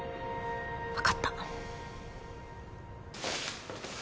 分かった。